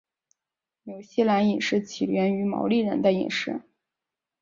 纽西兰饮食起源于毛利人的饮食。